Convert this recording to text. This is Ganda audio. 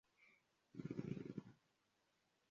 Ebyo byonna bigenda kukolebwa ku ssente z'ani?